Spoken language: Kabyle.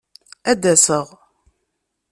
Ad d-aseɣ!